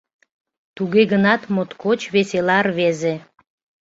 Туге гынат моткоч весела рвезе!